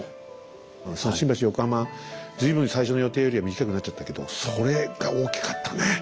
新橋・横浜随分最初の予定よりは短くなっちゃったけどそれが大きかったね。